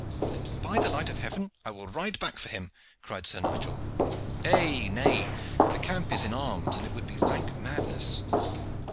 "Then, by the light of heaven! I will ride back for him," cried Sir Nigel. "Nay, nay, the camp is in arms, and it would be rank madness.